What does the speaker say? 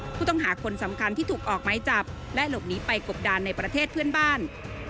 ผู้ต้องหาคนสำคัญที่ถูกออกไม้จับและหลบหนีไปกบดานในประเทศเพื่อนบ้าน